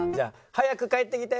「早く帰ってきて」。